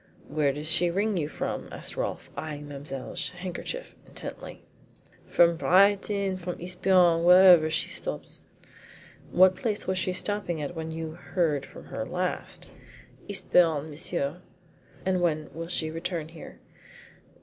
"Where does she ring you up from?" asked Rolfe, eyeing Mademoiselle Chiron's handkerchief intently. "From Brighton from Eastbourne wherever she stops." "What place was she stopping at when you heard from her last?" "Eastbourne, monsieur." "And when will she return here?"